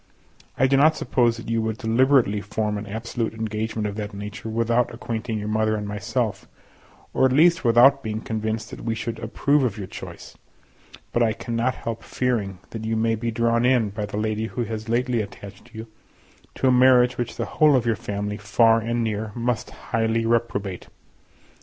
I do not suppose that you would deliberately form an absolute engagement of that nature without acquainting your mother and myself, or at least, without being convinced that we should approve of your choice; but I cannot help fearing that you may be drawn in, by the lady who has lately attached you, to a marriage which the whole of your family, far and near, must highly reprobate.